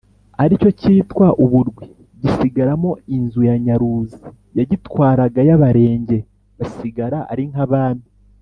aricyo cyitwa uburwi, gisigaramo inzu ya nyaruzi yagitwaraga y’abarenge. basigara ari nk’abami